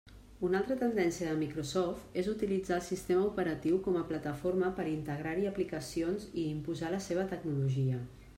Una altra tendència de Microsoft és utilitzar el sistema operatiu com a plataforma per integrar-hi aplicacions i imposar la seva tecnologia.